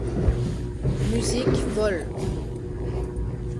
Musique Vol.